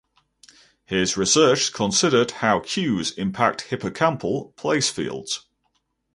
His research considered how cues impact hippocampal place fields.